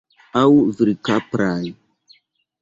Aŭ virkapraj.